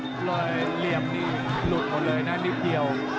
หมดเลยเรียบลุกหมดเลยนะนิดเดียว